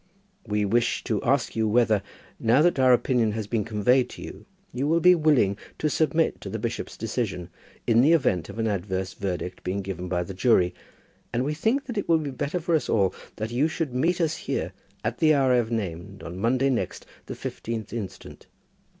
We wish to ask you whether, now that our opinion has been conveyed to you, you will be willing to submit to the bishop's decision, in the event of an adverse verdict being given by the jury; and we think that it will be better for us all that you should meet us here at the hour I have named on Monday next, the 15th instant.